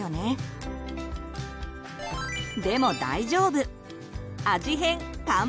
でも大丈夫！